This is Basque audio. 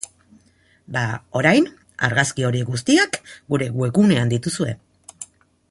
Bada, orain, argazki horiek guztiak gure webgunean dituzue.